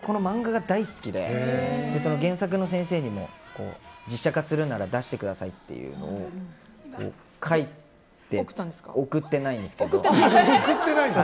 もともと僕この漫画が大好きで原作の先生にも実写化するなら出してくださいっていうのを書いて、送ってないんですけど。